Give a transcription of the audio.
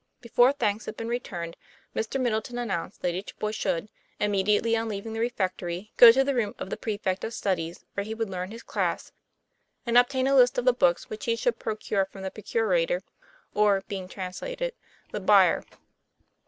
Before thanks had been returned, Mr. Middleton announced that each boy should, immediately on leaving the refectory, go to the room of the prefect of studies, where he would learn his class and obtain a list of the books which he should procure from the procura tor, or (being translated) the buyer.